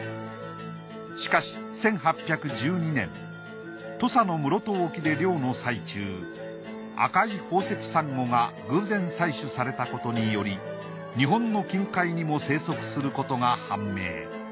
しかし１８１２年土佐の室戸沖で漁の最中赤い宝石サンゴが偶然採取されたことにより日本の近海にも生息することが判明。